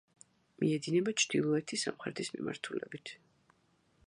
მიედინება ჩრდილოეთი-სამხრეთის მიმართულებით.